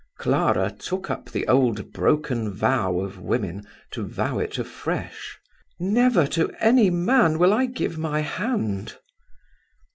Clara took up the old broken vow of women to vow it afresh: "Never to any man will I give my hand."